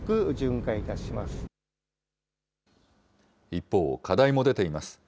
一方、課題も出ています。